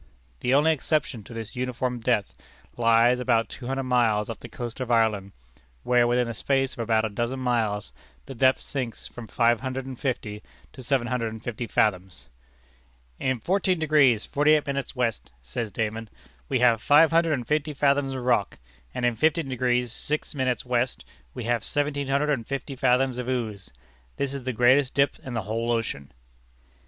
The only exception to this uniform depth, lies about two hundred miles off the coast of Ireland, where within a space of about a dozen miles, the depth sinks from five hundred and fifty to seventeen hundred and fifty fathoms! "In 14° 48' west," says Dayman, "we have five hundred and fifty fathoms rock, and in 15° 6' west we have seventeen hundred and fifty fathoms ooze. This is the greatest dip in the whole ocean."